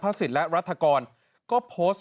สิทธิ์และรัฐกรก็โพสต์